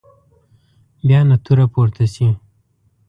بیا نه توره پورته شي.